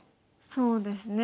そうですね。